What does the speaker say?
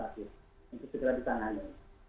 untuk segera ditangani